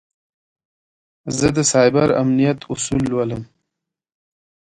زه د سایبر امنیت اصول لولم.